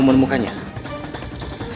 memberi katanya orang tua biasa